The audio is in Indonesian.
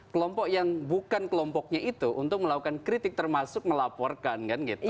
kelompok yang bukan kelompoknya itu untuk melakukan kritik termasuk melaporkan kan gitu